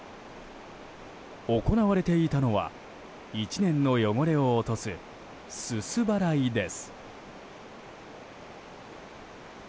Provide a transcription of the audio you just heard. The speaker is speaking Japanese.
行われていたのは１年の汚れを落とすすす払いです。